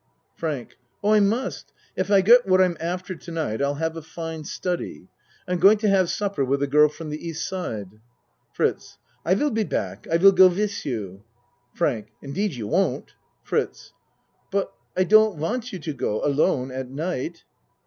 FRANK Oh, I must. If I get what I'm after to night I'll have a fine study. I'm going to have supper with a girl from the East side. FRITZ I vill be back. I vill go with you. FRANK Indeed you won't. FRITZ But, I don't want you to go alone at night.